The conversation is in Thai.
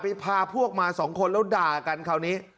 พาพวกมาสองคนแล้วด่ากันคราวนี้